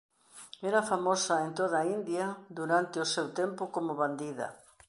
Era famosa en toda a India durante o seu tempo como bandida.